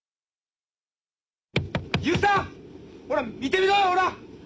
・勇さんほら見てみろほら。